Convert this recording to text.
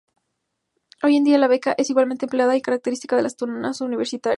Hoy en día la beca es igualmente empleada y característica de las tunas universitarias.